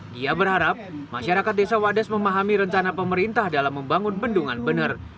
dia berharap masyarakat desa wadas memahami rencana pemerintah dalam membangun bendungan bener